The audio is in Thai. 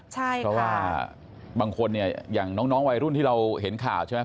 เพราะว่าบางคนเนี่ยอย่างน้องวัยรุ่นที่เราเห็นข่าวใช่ไหม